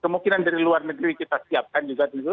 kemungkinan dari luar negeri kita siapkan juga dulu